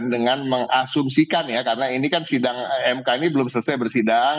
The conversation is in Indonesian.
dengan mengasumsikan ya karena ini kan sidang mk ini belum selesai bersidang